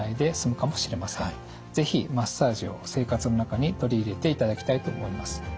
是非マッサージを生活の中に取り入れていただきたいと思います。